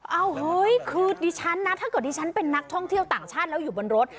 เฮ้ยคือดิฉันนะถ้าเกิดดิฉันเป็นนักท่องเที่ยวต่างชาติแล้วอยู่บนรถ